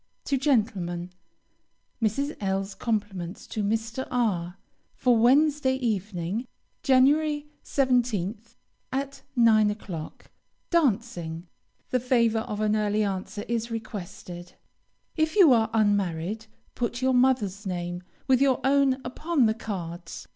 To gentlemen: Mrs. L 's compliments to Mr. R for Wednesday evening, Jan. 17th, at 9 o'clock. Dancing. The favor of an early answer is requested. If you are unmarried, put your mother's name with your own upon the cards.